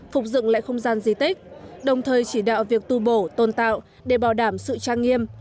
phục dựng lại không gian di tích đồng thời chỉ đạo việc tu bổ tôn tạo để bảo đảm sự trang nghiêm